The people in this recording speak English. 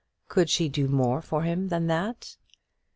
Could she do more for him than that?